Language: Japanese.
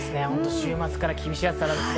週末から厳しい暑さです。